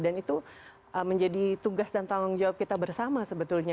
dan itu menjadi tugas dan tanggung jawab kita bersama sebetulnya